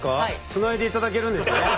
つないでいただけるんですね？